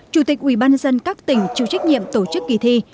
chủ tịch ubnd các tỉnh chịu trách nhiệm tổ chức kỳ thi